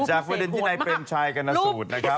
จากประเด็นที่ในเป็นชายกรณสูตรนะครับ